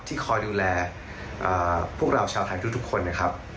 คอยดูแลพวกเราชาวไทยทุกคนนะครับ